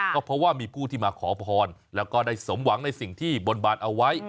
ก็เพราะว่ามีผู้ที่มาขอพรแล้วก็ได้สมหวังในสิ่งที่บนบานเอาไว้